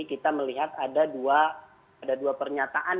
kita melihat ada dua pernyataan